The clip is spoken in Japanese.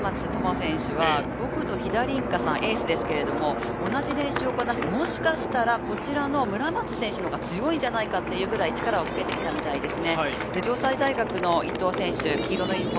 立命館大学の村松灯選手は５区の飛田凜香さん、エースですけれど、同じ練習をこなして、もしかしたら、こちらの村松選手のほうが強いんじゃないかと力をつけてきたみたいです。